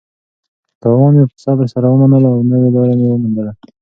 تاوان مې په صبر سره ومنلو او نوې لاره مې وموندله.